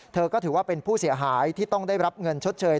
เธอก็ถือว่าเป็นผู้เสียหายที่ต้องได้รับเงินชดเชย